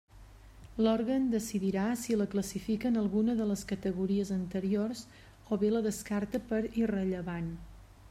L'òrgan decidirà si la classifica en alguna de les categories anteriors, o bé la descarta per irrellevant.